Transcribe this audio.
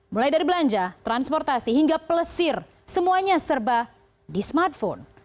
mulai dari belanja transportasi hingga pelesir semuanya serba di smartphone